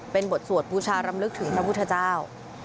เป็นบทสวดบูชารำลึกถึงพระพุทธเจ้า